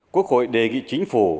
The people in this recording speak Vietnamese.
quốc hội đề nghị chính phủ